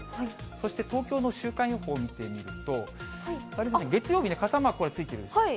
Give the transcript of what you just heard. そして東京の週間予報を見てみると、月曜日ね、傘マークこれ、ついてるでしょ。